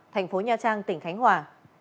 thành phố nha trang tỉnh khánh hòa